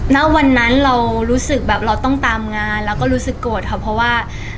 แล้ววันนั้นเรารู้สึกแบบเราต้องตามงานแล้วก็รู้สึกโกรธค่ะ